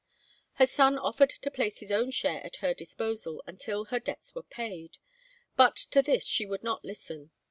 Her son offered to place his own share at her disposal until her debts were paid, but to this she would not listen.